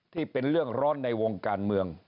เป็นเรื่องร้อนในวงการเมือง